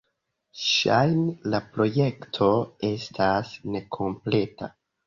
Ŝajne la projekto estas nekompleta.